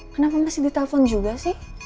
kenapa masih ditelepon juga sih